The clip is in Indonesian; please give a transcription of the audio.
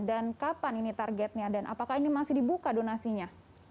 dan kapan ini targetnya dan apakah ini masih dibuka donasinya